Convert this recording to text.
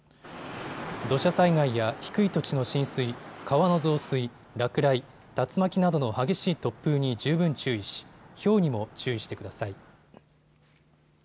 土砂災害や低い土地の浸水、川の増水、落雷、竜巻などの激しい突風に十分注意しひょうにも注意してください。